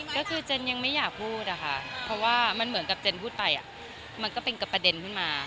ก็คือเจนยังไม่อยากพูดอะค่ะเพราะว่ามันเหมือนกับเจนพูดไปมันก็เป็นประเด็นขึ้นมา